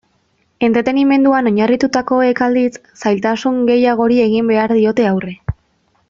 Entretenimenduan oinarritutakoek, aldiz, zailtasun gehiagori egin behar diote aurre.